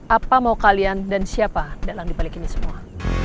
apa mau kalian dan siapa dalang dibalik ini semua